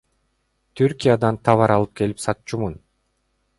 Түркиядан товар алып келип сатчумун.